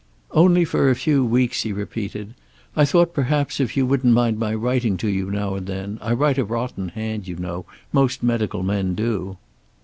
"Only for a few weeks," he repeated. "I thought perhaps, if you wouldn't mind my writing to you, now and then I write a rotten hand, you know. Most medical men do."